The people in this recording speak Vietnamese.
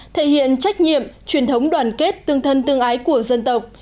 thể hiện trách nhiệm truyền thống đoàn kết tương thân tương ái của dân tộc